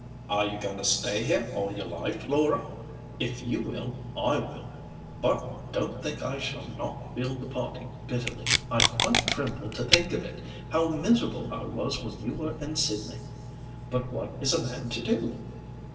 "Are you going to stay here all your life, Laura? If you will, I will. But don't think I shall not feel the parting bitterly; I quite tremble to think of it. How miserable I was when you were in Sydney! But what is a man to do?